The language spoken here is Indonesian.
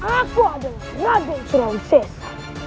aku adalah raden suram sesa